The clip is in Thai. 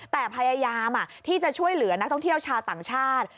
แต่พยายามที่จะช่วยเหลือนักท่องเที่ยวชาวต่างชาติ